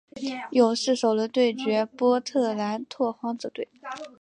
勇士首轮对决波特兰拓荒者队。